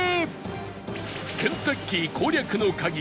ケンタッキー攻略の鍵